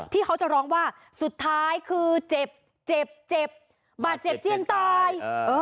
ที่เขาจะร้องว่าสุดท้ายคือเจ็บเจ็บเจ็บบาดเจ็บเจี้ยนตาย